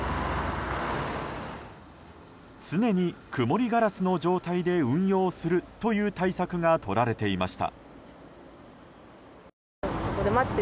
常に曇りガラスの状態で運用するという対策がとられていました。